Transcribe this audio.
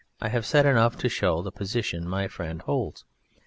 I have said enough to show the position my friend holds.